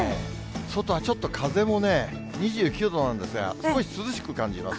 外はちょっと風もね、２９度なんですが、少し涼しく感じます。